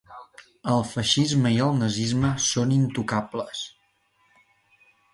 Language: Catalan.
El feixisme i el nazisme són intocables.